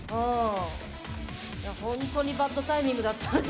本当にバッドタイミングだったね